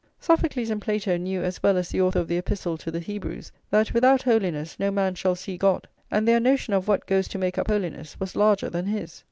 Sophocles and Plato knew as well as the author of the Epistle to the Hebrews that "without holiness no man shall see God," and their notion of what goes to make up holiness was larger than his.